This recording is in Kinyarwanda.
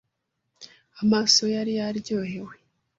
amaso yo yari yaryohewe